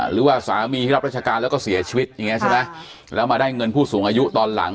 หรือว่าสามีที่รับราชการแล้วก็เสียชีวิตแล้วมาได้เงินผู้สูงอายุตอนหลัง